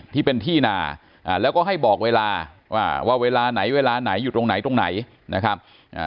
ที่เป็นที่นาแล้วก็ให้บอกเวลาว่าเวลาไหนเวลาไหนอยู่ตรงไหนตรงไหนนะครับ